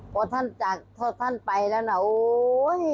พอท่านจากถ้าท่านไปแล้วนะโอ๊ย